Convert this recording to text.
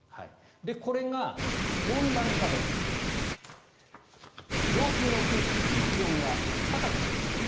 これが温暖化で上空の空気気温が高くなります。